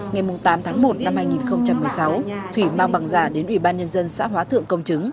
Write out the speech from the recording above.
ngày tám tháng một năm hai nghìn một mươi sáu thủy mang bằng giả đến ủy ban nhân dân xã hóa thượng công chứng